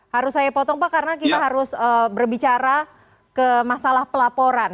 harus saya potong pak karena kita harus berbicara ke masalah pelaporan